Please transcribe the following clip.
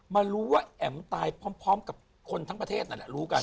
มารู้ว่าแอ๋มตายพร้อมกับคนทั้งประเทศนั่นแหละรู้กัน